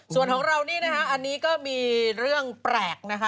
ส่วนของเรานี่นะคะอันนี้ก็มีเรื่องแปลกนะคะ